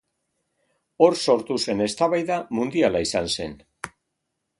Hor sortu zen eztabaida mundiala izan zen.